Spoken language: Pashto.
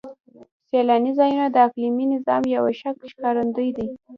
سیلاني ځایونه د اقلیمي نظام یو ښه ښکارندوی دی.